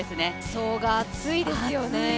層が厚いですよね。